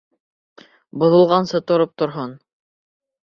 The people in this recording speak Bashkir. Боҙолғансы тороп торһон.